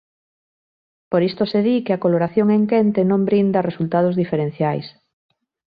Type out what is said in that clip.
Por isto se di que a coloración en quente non brinda resultados diferenciais.